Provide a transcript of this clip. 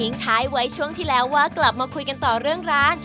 ท้ายไว้ช่วงที่แล้วว่ากลับมาคุยกันต่อเรื่องร้าน